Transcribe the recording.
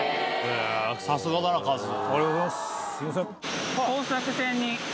ありがとうございます。